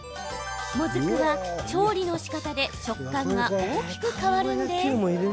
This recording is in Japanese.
もずくは調理のしかたで食感が大きく変わるんです。